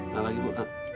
nah lagi bu